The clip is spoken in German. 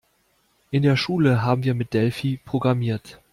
In der Schule haben wir mit Delphi programmiert.